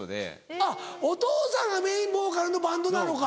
あっお父さんがメインボーカルのバンドなのか。